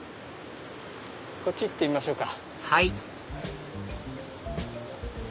こっち行ってみましょうか。